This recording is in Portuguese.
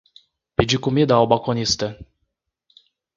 Pedi comida ao balconista.